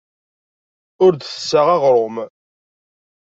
Ur d-tessaɣ aɣrum.